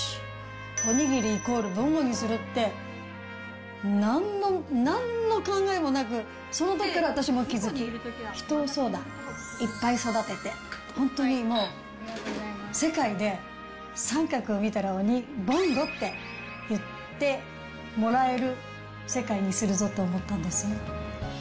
お握りイコールボンゴにするって、なんの、なんの考えもなく、そのときから私も気付き、人を、そうだ、いっぱい育てて、本当にもう世界で三角を見たら、ボンゴって言ってもらえる世界にするぞと思ったんですね。